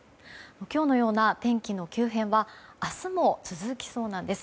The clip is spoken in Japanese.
今日のような天気の急変は明日も続きそうなんです。